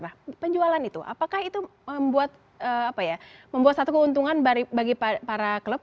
nah penjualan itu apakah itu membuat satu keuntungan bagi para klub